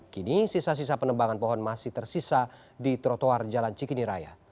kini sisa sisa penebangan pohon masih tersisa di trotoar jalan cikini raya